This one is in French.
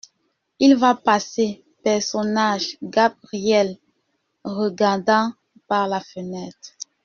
Il va passer. {{personnage|GAB RIELLE.|c}} regardant par la fenêtre.